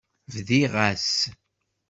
Bdiɣ-as.